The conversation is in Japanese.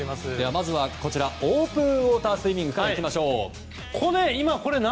まずはオープンウォータースイミングから行きましょう。